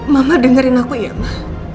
mama dengerin aku ya mah